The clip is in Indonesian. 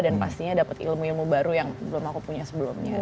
dan pastinya dapet ilmu ilmu baru yang belum aku punya sebelumnya